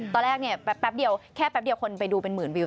ตอนแรกแค่แป๊บเดียวคนไปดูเป็นหมื่นวิว